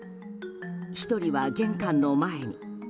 １人は玄関の前に。